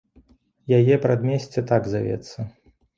Яе прадмесце так завецца.